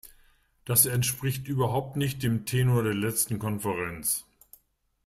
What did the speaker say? Das entspricht überhaupt nicht dem Tenor der letzten Konferenz.